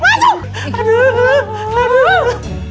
masuk masuk masuk